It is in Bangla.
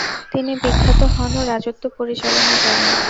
তিনি বিখ্যাত হন ও রাজত্ব পরিচালনা করেন।